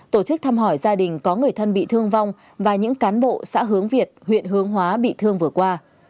tổ chức thăm hỏi gia đình có người thân bị thương vong và những cán bộ xã hướng việt huyện hướng hóa bị thương vừa qua